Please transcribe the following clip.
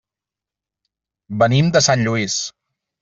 Venim de Sant Lluís.